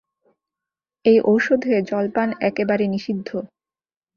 এই ঔষধে জলপান একেবারে নিষিদ্ধ।